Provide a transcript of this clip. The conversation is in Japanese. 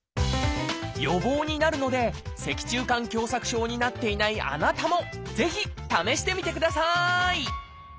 予防になるので脊柱管狭窄症になっていないあなたもぜひ試してみてください！